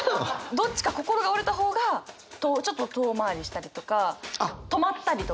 どっちか心が折れた方がちょっと遠回りしたりとか止まったりとか。